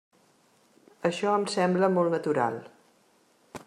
Això em sembla molt natural.